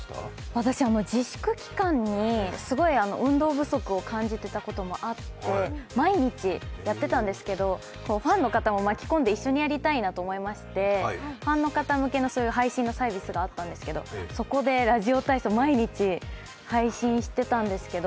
私、自粛期間にすごい運動不足を感じてたこともあって、毎日やってたんですけど、ファンの方も巻き込んで一緒にやりたいと思いましてファンの方向けの配信サービスがあったんですけど、そこでラジオ体操、毎日配信してたんですけど。